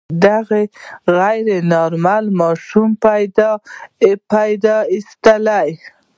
د دغه غیر نارمل ماشوم پیدایښت.